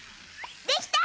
できた！